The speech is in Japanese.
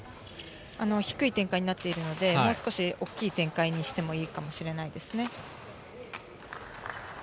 低い展開になっているので、もう少し大きい展開にしてもいいかもしれませんね。